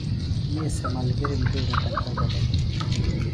می سےۡ ملگِرم بیۡ تکڑہ بھِلہ